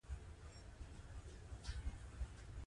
دریابونه د افغانستان د ځانګړي ډول جغرافیه استازیتوب کوي.